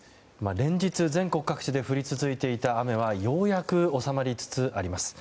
連日、全国各地で降り続いていた雨はようやく、収まりつつあります。